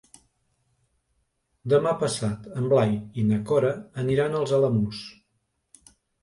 Demà passat en Blai i na Cora aniran als Alamús.